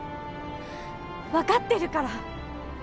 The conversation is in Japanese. わかってるから！